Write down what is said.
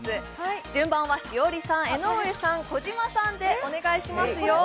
順番は栞里さん、江上さん、児嶋さんがお願いしますよ。